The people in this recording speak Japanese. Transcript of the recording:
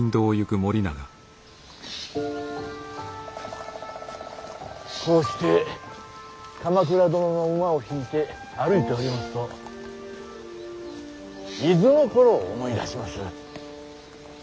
こうして鎌倉殿の馬を引いて歩いておりますと伊豆の頃を思い出します。